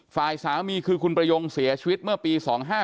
ฝ่ายสามีคือคุณประยงเสียชีวิตเมื่อปี๒๕๕